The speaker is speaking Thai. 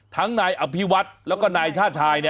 ทั้งนายอภิวัฒน์และนายชาชาย